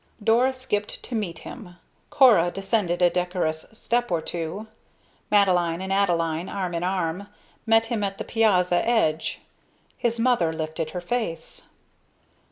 Dora skipped to meet him, Cora descended a decorous step or two. Madeline and Adeline, arm in arm, met him at the piazza edge, his mother lifted her face.